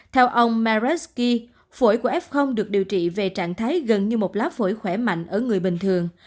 theo ông mereski phổi của f được điều trị về trạng thái gần như một lá phổi khỏe mạnh ở người bình thường